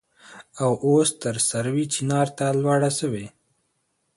او اوس تر سروې چينار ته لوړه شوې.